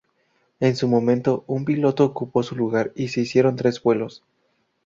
En su momento, un piloto ocupó su lugar y se hicieron tres vuelos.